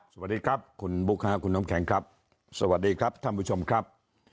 สวัสดีครับคุณบุ๊คค่ะคุณน้ำแข็งครับสวัสดีครับท่านผู้ชมครับ